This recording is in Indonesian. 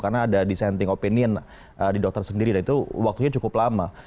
karena ada dissenting opinion di dokter sendiri dan itu waktunya cukup lama